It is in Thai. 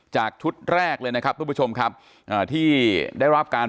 ชุดแรกเลยนะครับทุกผู้ชมครับอ่าที่ได้รับการ